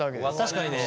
確かにね。